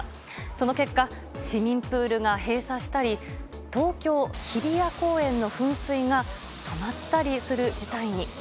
その結果市民プールが閉鎖したり東京・日比谷公園の噴水が止まったりする事態に。